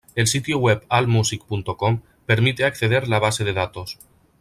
El sitio web "Allmusic.com" permite acceder la base de datos.